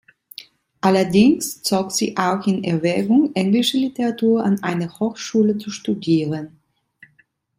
Allerdings zog sie auch in Erwägung, englische Literatur an einer Hochschule zu studieren.